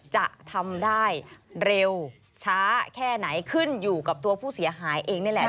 จะทำได้เร็วช้าแค่ไหนขึ้นอยู่กับตัวผู้เสียหายเองนี่แหละ